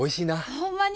ほんまに？